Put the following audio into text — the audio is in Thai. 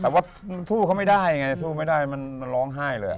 แต่ว่าสู้เขาไม่ได้ไงสู้ไม่ได้มันร้องไห้เลย